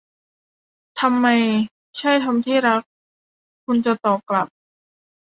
'ทำไมใช่ทอมที่รัก' คุณจะตอบกลับ